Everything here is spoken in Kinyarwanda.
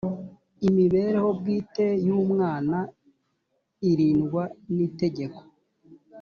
imibereho bwite y umwana irindwa n itegeko